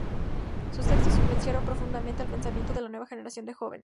Sus textos influenciaron profundamente el pensamiento de la nueva generación de jóvenes.